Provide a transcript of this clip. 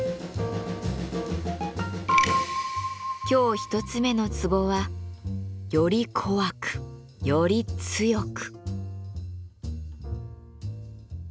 今日１つ目の壺は「より怖くより強く」。